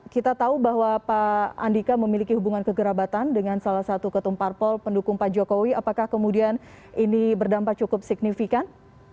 kita tahu bahwa pak andika memiliki hubungan kegerabatan dengan salah satu ketumparpol pendukung pak jokowi apakah kemudian ini berdampak cukup signifikan